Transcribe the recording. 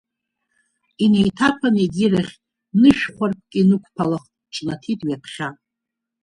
Инеиҭаԥан егьирахь нышәхәарԥк инықәԥалах, ҿнаҭит ҩаԥхьа.